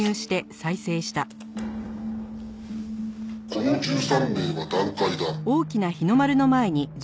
「この１３名は団塊だ」